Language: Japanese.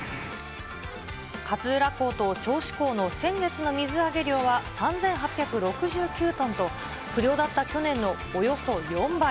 勝浦港と銚子港の先月の水揚げ量は３８６９トンと、不漁だった去年のおよそ４倍。